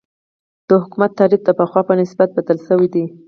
د حکومت تعریف د پخوا په نسبت بدل شوی دی.